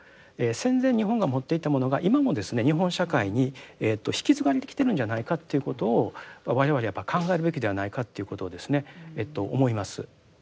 戦前日本が持っていたものが今もですね日本社会に引き継がれてきているんじゃないかっていうことを我々はやっぱり考えるべきではないかっていうことをですね思います。